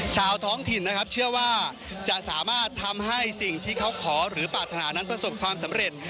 ท้องถิ่นนะครับเชื่อว่าจะสามารถทำให้สิ่งที่เขาขอหรือปรารถนานั้นประสบความสำเร็จ